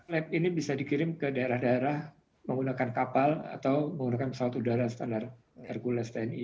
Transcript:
lab ini bisa dikirim ke daerah daerah menggunakan kapal atau menggunakan pesawat udara standar hercules tni